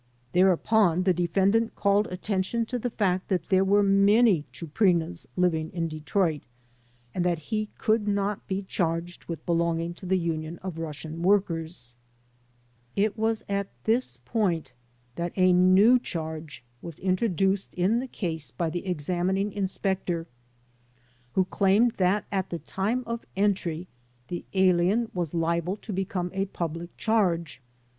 Thereupon the defendant called attention to the fact that there were many Chuprinas living in Detroit, and that he could not be charged with belonging to The Union of Russian Workers. HOW THE ALIENS WERE TRIED 45 It was at this point that a new charge was introduced 1X1 the case by the examining inspector, who claimed that at the time of entry the alien was liable to become a public charge.